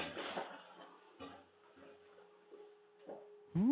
うん？